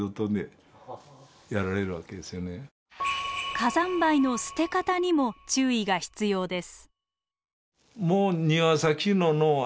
火山灰の捨て方にも注意が必要です。